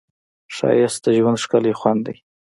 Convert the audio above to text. ښایست د ژوند ښکلی خوند دی